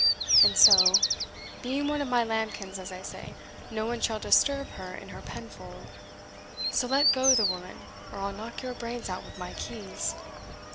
And so, being one of my lambkins, as I say, no one shall disturb her in her pen fold. So let go the woman: or I'll knock your brains out with my keys."